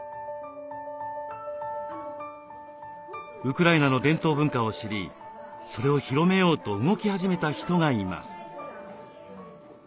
ウクライナの伝統文化を知りそれを広めようと動き始めた人がいます。